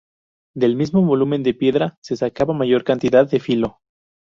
Del mismo volumen de piedra se sacaba mayor cantidad de filo.